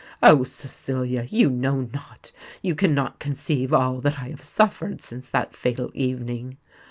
Oh! Cecilia, you know not—you cannot conceive all that I have suffered since that fatal evening!